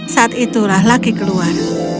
saat itulah lucky keluar